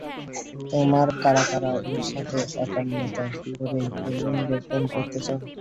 তোমার কারা কারা ওর সাথে একাত্মতা করে ইউনিয়ন গঠন করতে চাও?